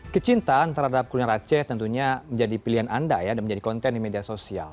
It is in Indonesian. kecintaan terhadap kuliner aceh tentunya menjadi pilihan anda ya dan menjadi konten di media sosial